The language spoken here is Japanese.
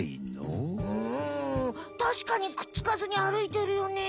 うんたしかにくっつかずに歩いてるよね。